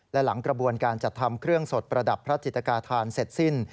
และหลังกระบวนการจัดทำเครื่องสดประดับพระจิตกาธานเสร็จสิ้น